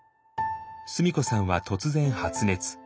須美子さんは突然発熱。